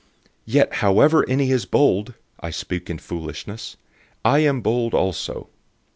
Yet however any is bold (I speak in foolishness), I am bold also.